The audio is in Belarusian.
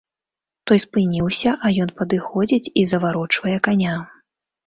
Той спыніўся, а ён падыходзіць і заварочвае каня.